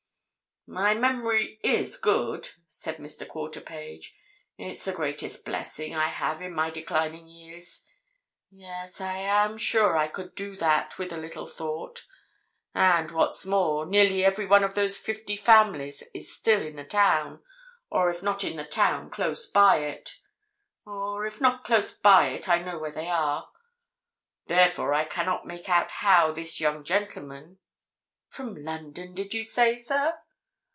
"My memory is good," said Mr. Quarterpage. "It's the greatest blessing I have in my declining years. Yes, I am sure I could do that, with a little thought. And what's more, nearly every one of those fifty families is still in the town, or if not in the town, close by it, or if not close by it, I know where they are. Therefore, I cannot make out how this young gentleman—from London, did you say, sir?"